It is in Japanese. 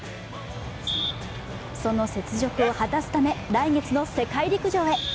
その雪辱を果たすため来月の世界陸上へ。